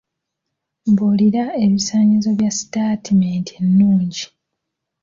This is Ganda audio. Mbuulira ebisaanyizo bya sitaatimenti ennungi.